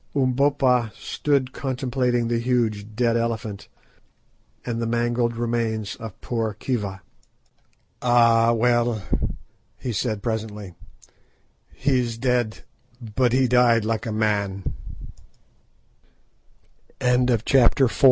Umbopa stood contemplating the huge dead elephant and the mangled remains of poor Khiva. "Ah, well," he said presently, "he is dead, but he died like a man!" CHAPTER V.